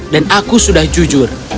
dan aku sudah jujur